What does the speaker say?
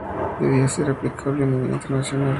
Debía ser aplicable a nivel internacional.